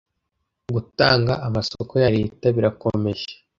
gutanga amasoko ya leta birakomeje.